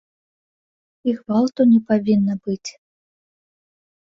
І гвалту не павінна быць.